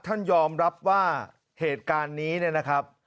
ท่านยอมรับว่าเหตุการณ์นี้เนี่ยนะครับ